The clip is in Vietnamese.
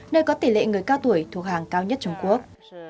nơi có tỷ lệ người cao tuổi thuộc hàng cao nhất trung quốc